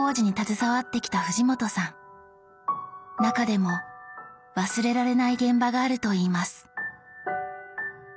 中でも忘れられない現場があるといいます。